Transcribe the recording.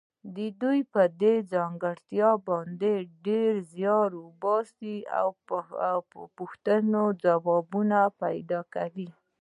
دوی په دې ځانګړتیا باندې ډېر زیار باسي او د پوښتنو ځوابونه پیدا کوي.